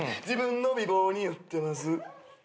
自分の美貌に酔ってます。